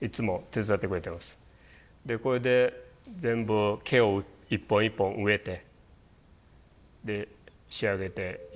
でこれで全部毛を一本一本植えてで仕上げていきます。